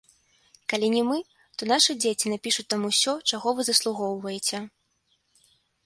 І калі не мы, то нашы дзеці напішуць там усё, чаго вы заслугоўваеце.